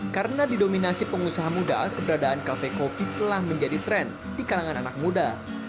karena didominasi pengusaha muda keberadaan kafe kopi telah menjadi tren di kalangan anak muda